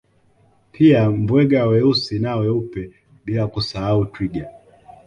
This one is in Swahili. Pia Mbega weusi na weupe bila kusahau Twiga